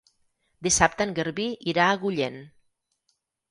Dissabte en Garbí irà a Agullent.